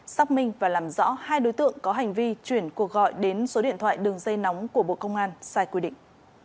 xác minh và làm rõ hai đối tượng có hành vi chuyển cuộc gọi đến số điện thoại đường dây nóng của bộ công an sai quy định